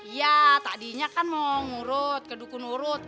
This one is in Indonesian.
iya tadinya kan mau ngurut kedukun urut